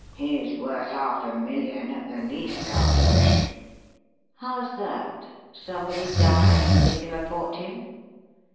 He's worth half a million at the least calculation." "How's that? Somebody die and leave him a fortune?"